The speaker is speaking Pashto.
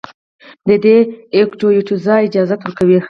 د دې ايکټويټيز اجازت ورکوي